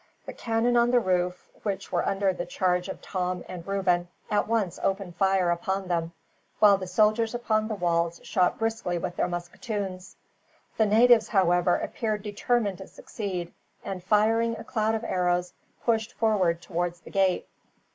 The cannon on the roof, which were under the charge of Tom and Reuben, at once opened fire upon them, while the soldiers upon the walls shot briskly with their musketoons. The natives, however, appeared determined to succeed and, firing a cloud of arrows, pushed forward towards the gate.